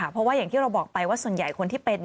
เพราะว่าอย่างที่เราบอกไปว่าส่วนใหญ่คนที่เป็น